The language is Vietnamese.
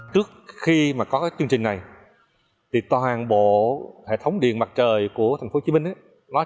trước khi có chương trình này toàn bộ hệ thống điện mặt trời của thành phố hồ chí minh